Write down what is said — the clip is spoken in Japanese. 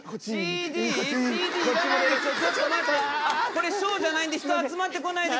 これショーじゃないんで人集まってこないでください。